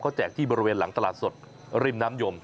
แจกที่บริเวณหลังตลาดสดริมน้ำยม